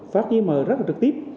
phát giới mở rất là trực tiếp